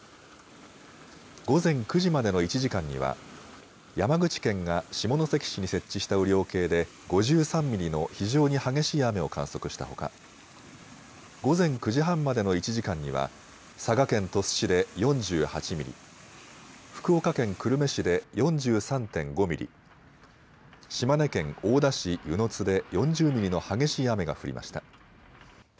午前９時までの１時間には山口県が下関市に設置した雨量計で５３ミリの非常に激しい雨を観測したほか午前９時半までの１時間には佐賀県鳥栖市で４８ミリ、福岡県久留米市で４３．５ミリ、島根県大田市温泉津で４０ミリの激しい雨が降りました。